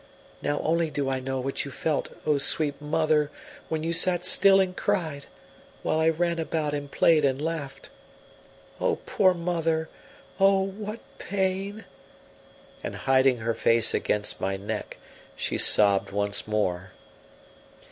Now only do I know what you felt, O sweet mother, when you sat still and cried, while I ran about and played and laughed! O poor mother! Oh, what pain!" And hiding her face against my neck, she sobbed once more.